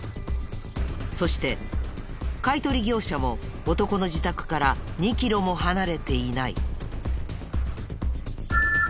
そして買取業者も男の自宅から２キロも離れていない。